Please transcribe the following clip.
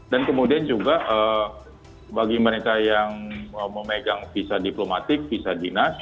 dan kemudian juga bagi mereka yang memegang visa diplomatik visa dinas